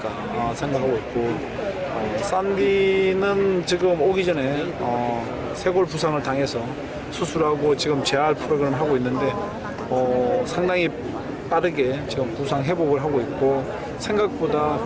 agar dia bisa berlatih sehingga dia bisa berlatih sehingga dia bisa berlatih